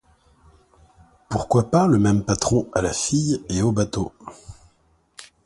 Pourquoi pas le même patron à la fille et au bateau?